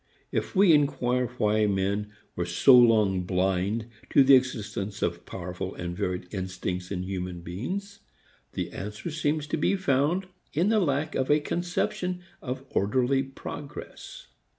If we inquire why men were so long blind to the existence of powerful and varied instincts in human beings, the answer seems to be found in the lack of a conception of orderly progress.